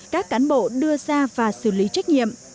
các cán bộ đưa ra và xử lý trách nhiệm